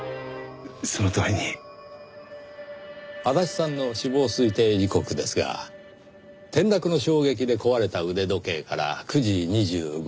足立さんの死亡推定時刻ですが転落の衝撃で壊れた腕時計から９時２５分と判明しています。